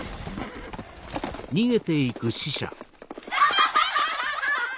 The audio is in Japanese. アハハハ！